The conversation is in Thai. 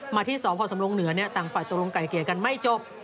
มาที่สอบขอสำรงค์เหนือนี่ต่างฝ่ายตรงไก่เกียร์กันไม่จบ